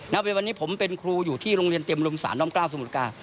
วันนี้ผมเป็นครูอยู่ที่โรงเรียนเต็มรุมสารน่อมกล้าวสมุทรกา